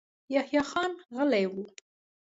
يحيی خان غلی و.